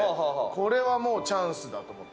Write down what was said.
これはもうチャンスだと思って。